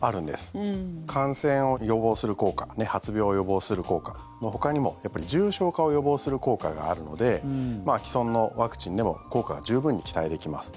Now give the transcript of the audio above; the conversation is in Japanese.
感染を予防する効果発病を予防する効果のほかにも重症化を予防する効果があるので既存のワクチンでも効果は十分に期待できます。